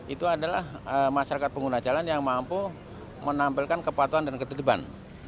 itu adalah masyarakat pengguna jalan yang mampu menampilkan kepatuhan dan ketertiban